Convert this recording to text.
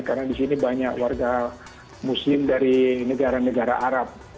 karena di sini banyak warga muslim dari negara negara arab